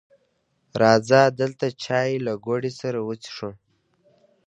راځه دلته چای له ګوړې سره وڅښو